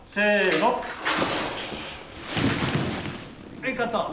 ・はいカット！